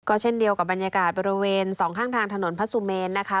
เช่นเดียวกับบรรยากาศบริเวณสองข้างทางถนนพระสุเมนนะคะ